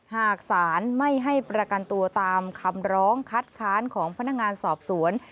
หากศาลไม่ให้ประกันตัวตามคำร้องคัดค้านของพนักงานสอบสวน